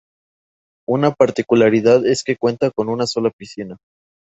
Una particularidad es que cuenta con una sola piscina.